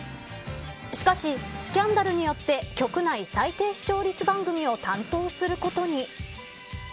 しかし、スキャンダルによって局内最低視聴率番組を担当することに。